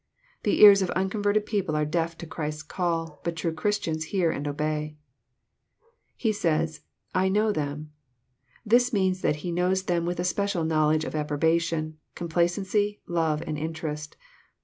The ears of unconverted people are deaf to Christ's call, but true Christians hear and obey. He says, << I know them." This means that He knows them with a special knowledge of approbation, complacency, love, and interest.